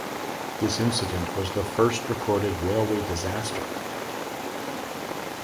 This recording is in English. This incident was the first recorded railway disaster.